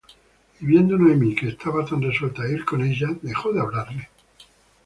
Y viendo Noemi que estaba tan resuelta á ir con ella, dejó de hablarle.